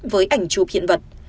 với ảnh chụp hiện vật